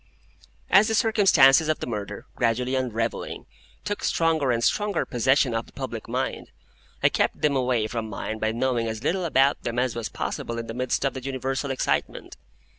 As the circumstances of the murder, gradually unravelling, took stronger and stronger possession of the public mind, I kept them away from mine by knowing as little about them as was possible in the midst of the universal excitement.